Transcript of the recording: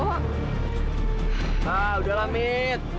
ah udah lah mit